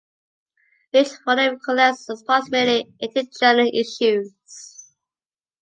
Each volume collects approximately eighty journal issues.